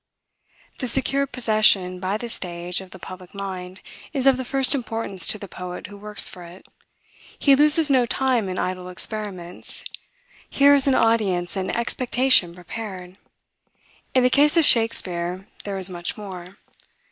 The secure possession, by the stage, of the public mind, is of the first importance to the poet who works for it. He loses no time in idle experiments. Here is audience and expectation prepared. In the case of Shakespeare there is much more.